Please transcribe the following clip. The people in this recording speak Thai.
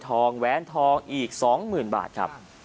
ส่อยทองแว้นทองอีกสองหมื่นบาทครับ